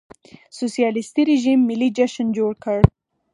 سوسیالېستي رژیم ملي جشن جوړ کړ.